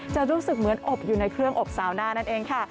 รู้สึกเหมือนอบอยู่ในเครื่องอบสาวหน้านั่นเองค่ะ